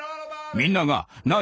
みんなが「何？」